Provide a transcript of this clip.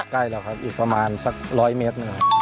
ใกล้แล้วครับอีกประมาณสัก๑๐๐เมตรนะครับ